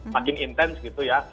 makin intens gitu ya